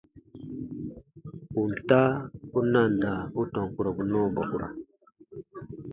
Ponta u nanda u tɔn kurɔbu nɔɔ bɔkura.